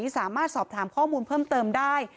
สามารถสอบถามข้อมูลเพิ่มเติมได้